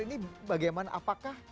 ini bagaimana apakah